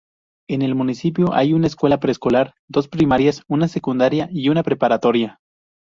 En el municipio hay una escuela preescolar, dos primarias, una secundaria y una preparatoria.